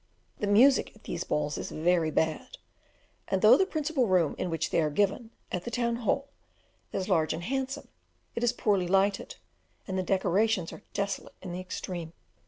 The music at these balls is very bad, and though the principal room in which they are given, at the Town Hall, is large and handsome, it is poorly lighted, and the decorations are desolate in the extreme.